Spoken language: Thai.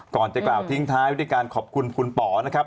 ก่อนจะกล่าวทิ้งท้ายไว้ด้วยการขอบคุณคุณป๋อนะครับ